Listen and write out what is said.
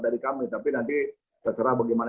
dari kami tapi nanti terserah bagaimana